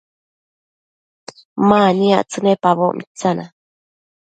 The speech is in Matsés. aniactsëqui icpaboc mitsana